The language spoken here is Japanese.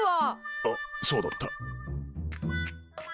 あっそうだった。